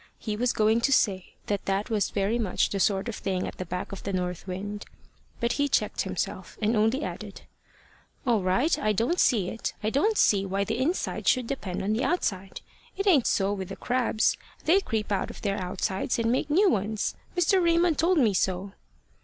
He was going to say that that was very much the sort of thing at the back of the north wind; but he checked himself and only added, "All right. I don't see it. I don't see why the inside should depend on the outside. It ain't so with the crabs. They creep out of their outsides and make new ones. Mr. Raymond told me so."